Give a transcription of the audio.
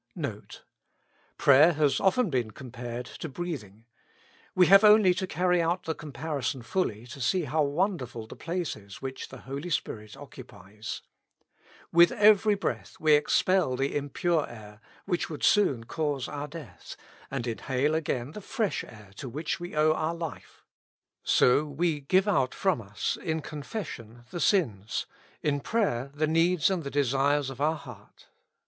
NOTE. Prayer has often been compared to breathing ; we have only to carry out the comparison fully to see how wonderful the place is which the Holy Spirit occupies. With every breath we expel the impure air which would soon cause our death, and inhale again the fresh air to which we owe our life. So we give out from us, in confession the sins, in prayer the needs and the desires of our heart.